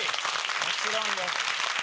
もちろんです。